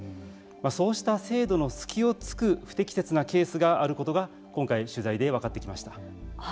そうした制度の隙をつく不適切なケースがあることが今回取材で分かってきました。